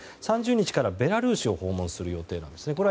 ３０日からベラルーシを訪問する予定です。